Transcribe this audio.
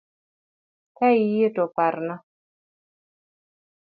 Ka iyie to parna